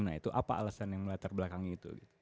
nah itu apa alasan yang melatar belakangi itu